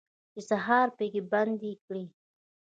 چې سهار پکې بندي کړي